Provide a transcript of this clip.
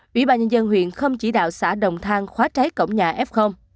ủy ban nhân dân huyện không chỉ đạo xã đồng thang khóa trái cổng nhà f